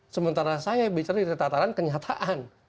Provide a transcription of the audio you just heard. sementara saya bicara di tata tata kenyataan